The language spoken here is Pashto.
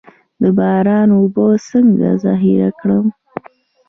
د باران اوبه څنګه ذخیره کړم؟